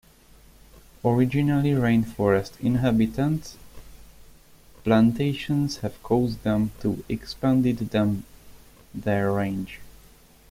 Originally rain forest inhabitants, plantations have caused them to expanded them their range.